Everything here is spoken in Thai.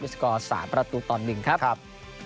สกอร์๓ประตูต่อ๑ครับ